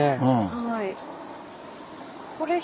はい。